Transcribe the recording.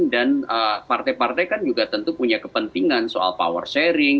dan partai partai kan juga tentu punya kepentingan soal power sharing